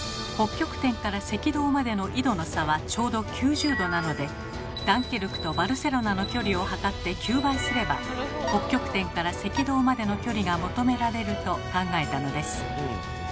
北極点から赤道までの緯度の差はちょうど９０度なのでダンケルクとバルセロナの距離を測って９倍すれば北極点から赤道までの距離が求められると考えたのです。